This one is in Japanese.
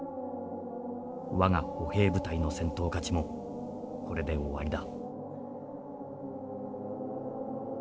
我が歩兵部隊の戦闘価値もこれで終わりだ」。